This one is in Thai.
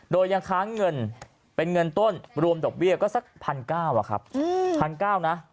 โดยยังค้างเงินเป็นเงินต้นรวมดอกเบี้ยก็สักพันเก้าอะครับพันเก้านะ